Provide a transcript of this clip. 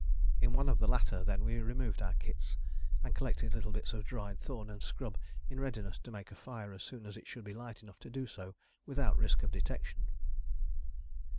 In one of the latter, then, we removed our kits, and collected little bits of dried thorn and scrub in readiness to make a fire as soon as it should be light enough to do so without risk of detection.